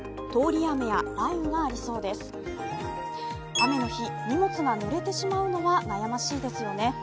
雨の日、荷物がぬれてしまうのは悩ましいですよね。